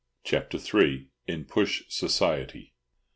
CHAPTER III. IN PUSH SOCIETY.